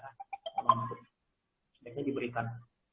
kalau mampu sebaiknya diberikan